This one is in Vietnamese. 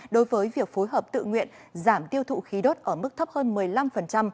đối với việc phối hợp tự nguyện giảm tiêu thụ khí đốt ở mức thấp hơn một mươi năm